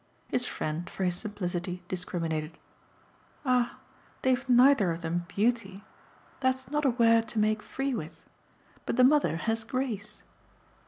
His friend, for his simplicity, discriminated. "Ah they've neither of them 'beauty.' That's not a word to make free with. But the mother has grace."